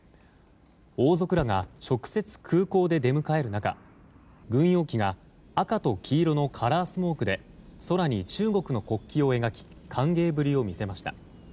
王族らが直接空港で出迎える中軍用機が赤と黄色のカラースモークで空に中国の国旗を描き歓迎ぶりを見せました。